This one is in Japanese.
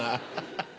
ハハハ！